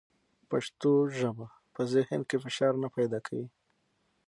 پښتو ژبه په ذهن کې فشار نه پیدا کوي.